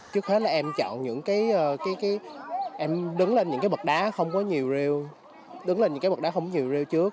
trước hết là em chọn những cái em đứng lên những cái bậc đá không có nhiều rêu đứng lên những cái bậc đá không có nhiều rêu trước